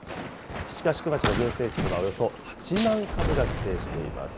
七ヶ宿町の群生地にはおよそ８万株が自生しています。